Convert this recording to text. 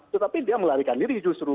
tetapi dia melarikan diri justru